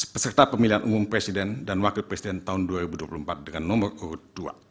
peserta pemilihan umum presiden dan wakil presiden tahun dua ribu dua puluh empat dengan nomor urut dua